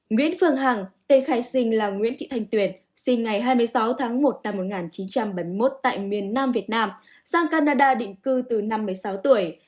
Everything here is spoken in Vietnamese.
nguyễn phương hằng tên khai sinh là nguyễn thị thanh tuyền sinh ngày hai mươi sáu tháng một năm một nghìn chín trăm bảy mươi một tại miền nam việt nam sang canada định cư từ năm mươi sáu tuổi